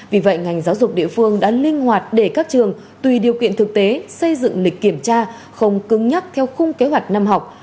vì vậy ngành giáo dục địa phương đã linh hoạt để các trường tùy điều kiện thực tế xây dựng lịch kiểm tra không cứng nhắc theo khung kế hoạch năm học